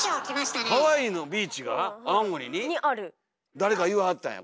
誰か言わはったんや